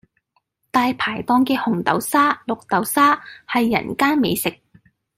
大排檔嘅紅豆沙、綠豆沙係人間美食